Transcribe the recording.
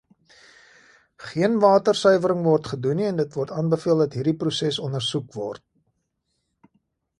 Geen watersuiwering word gedoen nie en dit word aanbeveel dat hierdie proses ondersoek word.